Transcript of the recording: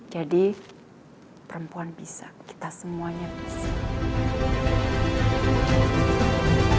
jadi perempuan bisa kita semuanya bisa